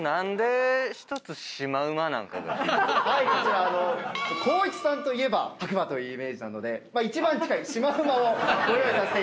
こちら光一さんといえば白馬というイメージなので一番近いシマウマをご用意させていただきました。